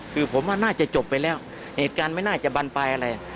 คือผมว่าน่าจะจบไปแล้วเหตุการณ์ไม่น่าจะบรรปลายอะไร